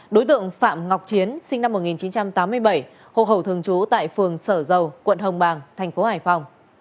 đối tượng phạm ngọc chiến sinh năm một nghìn chín trăm tám mươi bảy hộ khẩu thường trú tại phường sở dầu quận hồng bàng thành phố hải phòng